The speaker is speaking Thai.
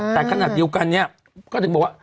แต่ขนาดอยู่กันนี้ก็ถึงบอกว่า